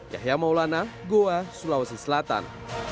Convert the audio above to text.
yahya maulana goa sulawesi selatan